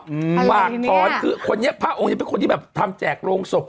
อืมฝากถอนคือคนนี้พระองค์ยังเป็นคนที่แบบทำแจกโรงศพ